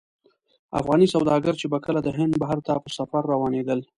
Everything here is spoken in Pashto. افغاني سوداګر چې به کله د هند بحر ته په سفر روانېدل.